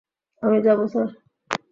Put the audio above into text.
আমি যাব স্যার।